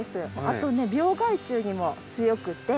あとね病害虫にも強くて。